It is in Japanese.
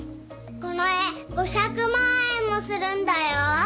この絵５００万円もするんだよ！